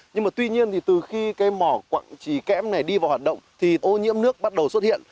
nhưng mà tuy nhiên thì từ khi cái mỏ quặng trì kẽm này đi vào hoạt động thì ô nhiễm nước bắt đầu xuất hiện